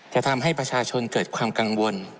จะทำให้ประชาชนเกิดความกังวล